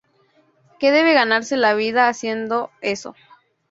Que debe ganarse la vida haciendo eso".